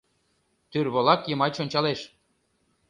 Тӱрволак йымач ончалеш.